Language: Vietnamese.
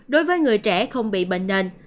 đối với người trẻ không bị bệnh nền